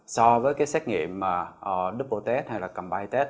so với cái xét nghiệm double test hay là combined test